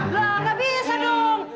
lah gak bisa dong